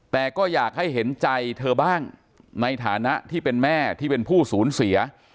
แต่ก็อยากให้เห็นใจเธอบ้างในฐานะที่เป็นแม่ที่เป็นผู้สูญเสีย